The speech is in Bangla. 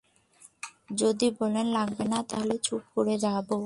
যদি বলেন লাগবে না, তাহলে চুপ করে যাবে।